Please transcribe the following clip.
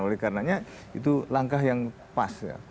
oleh karenanya itu langkah yang pas ya